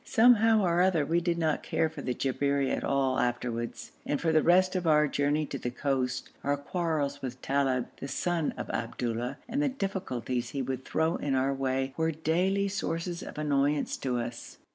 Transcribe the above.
Somehow or other we did not care for the Jabberi at all afterwards, and for the rest of our journey to the coast our quarrels with Talib, the son of Abdullah, and the difficulties he would throw in our way, were daily sources of annoyance to us.